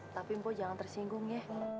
tapi mpo jangan tersinggung ya